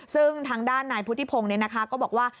ซึ่งทางด้านนายพุทธิพงศ์ก็บอกว่า